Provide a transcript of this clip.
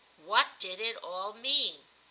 What did it all mean ?